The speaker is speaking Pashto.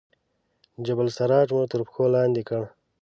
جبل السراج مو تر پښو لاندې کړ.